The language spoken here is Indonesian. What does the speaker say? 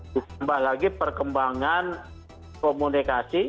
terutama lagi perkembangan komunikasi